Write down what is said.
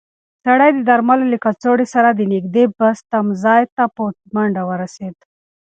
سړی د درملو له کڅوړې سره د نږدې بس تمځای ته په منډه ورسېد.